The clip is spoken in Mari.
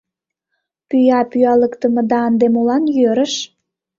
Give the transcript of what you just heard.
Пӱя пӱялыктымыда ынде молан йӧрыш?